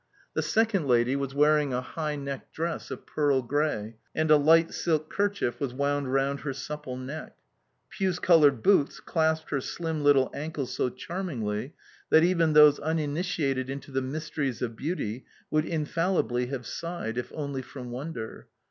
The second lady was wearing a high necked dress of pearl grey, and a light silk kerchief was wound round her supple neck. Puce coloured boots clasped her slim little ankle so charmingly, that even those uninitiated into the mysteries of beauty would infallibly have sighed, if only from wonder.